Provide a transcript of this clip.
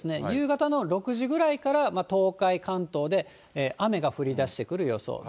夕方の６時ぐらいから東海、関東で雨が降りだしてくる予想。